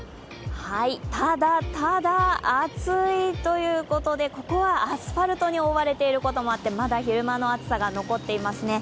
ただただ暑いということで、ここはアスファルトに覆われていることもあってまだ昼間の暑さが残っていますね。